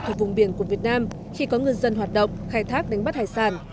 thuộc vùng biển của việt nam khi có ngư dân hoạt động khai thác đánh bắt hải sản